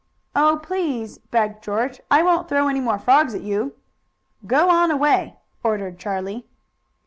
"Oh, please!" begged George. "I won't throw any more frogs at you." "Go on away!" ordered Charlie.